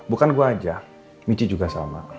bukan gue aja michi juga sama